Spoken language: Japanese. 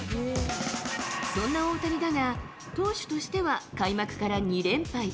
そんな大谷だが、投手としては開幕から２連敗。